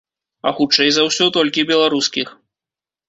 А хутчэй за ўсё, толькі беларускіх.